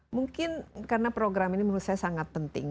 mungkin karena program ini menurut saya sangat penting